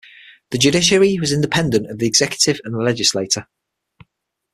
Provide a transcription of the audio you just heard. The Judiciary was independent of the executive and the legislature.